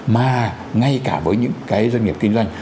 mà ngay cả với những cái doanh nghiệp kinh doanh